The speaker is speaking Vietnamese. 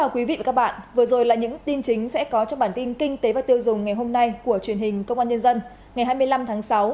quý vị và các bạn vừa rồi là những tin chính sẽ có trong bản tin kinh tế và tiêu dùng ngày hôm nay của truyền hình công an nhân dân ngày hai mươi năm tháng sáu